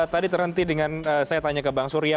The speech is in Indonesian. tadi terhenti dengan saya tanya ke bang surya